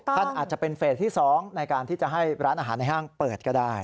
อาจจะเป็นเฟสที่๒ในการที่จะให้ร้านอาหารในห้างเปิดก็ได้